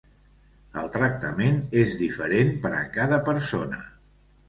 El tractament és diferent per a cada persona.